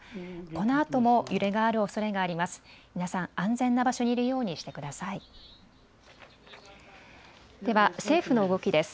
このあとも揺れがあるおそれがあります。